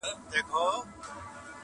په ښکاره یې اخیستله رشوتونه،